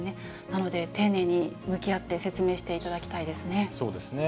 なので、丁寧に向き合って、説明していただきたいですね。